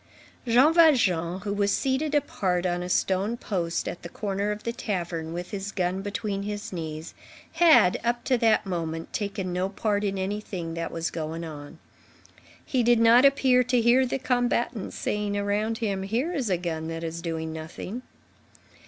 Jean Valjean, who was seated apart on a stone post, at the corner of the tavern, with his gun between his knees, had, up to that moment, taken no part in anything that was going on. He did not appear to hear the combatants saying around him: "Here is a gun that is doing nothing."